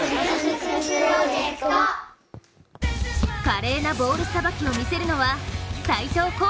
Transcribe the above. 華麗なボールさばきをみせるのは斎藤功